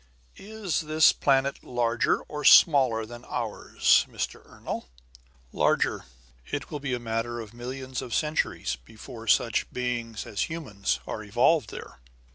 "Is this planet larger or smaller than ours, Mr. Ernol?" "Larger. It will be a matter of millions of centuries before such beings as humans are evolved there."